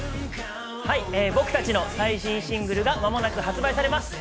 僕たちの最新シングルが発売されます。